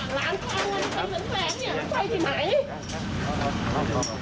หลานกูเอางานมาเป็นแสนนี่ใช่ไหม